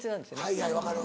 はいはい分かる。